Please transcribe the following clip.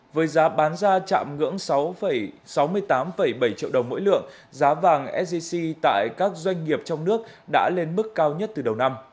với giá bán ra chạm ngưỡng sáu sáu mươi tám bảy triệu đồng mỗi lượng giá vàng sgc tại các doanh nghiệp trong nước đã lên mức cao nhất từ đầu năm